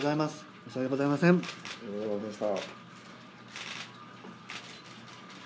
申し訳ございませんでした。